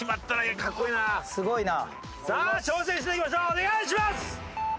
お願いします。